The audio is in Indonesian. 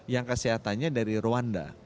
yang kesehatannya dari rwanda